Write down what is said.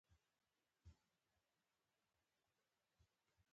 نیکه له میلمانه ښه استقبال کوي.